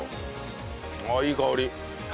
あっいい香り。